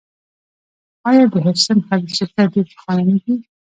آیا د هډسن خلیج شرکت ډیر پخوانی نه دی؟